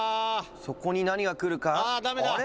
「そこに何がくるか？」